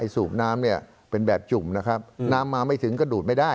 สูบน้ำเป็นแบบจุ่มน้ำมาไม่ถึงก็ดูดไม่ได้